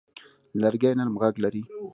لرګی نرم غږ لري.